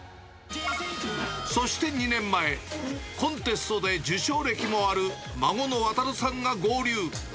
そして２年前、コンテストで受賞歴もある孫の航さんが合流。